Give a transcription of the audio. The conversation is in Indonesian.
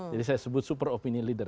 jadi saya sebut super opinion leader